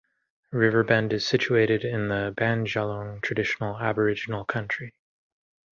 Riverbend is situated in the Bundjalung traditional Aboriginal country.